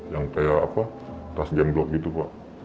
yang kayak apa tas gen blok gitu pak